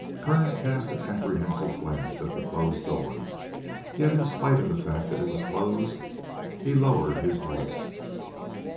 Kern cast an apprehensive glance at the closed door, yet, in spite of the fact that it was closed, he lowered his voice.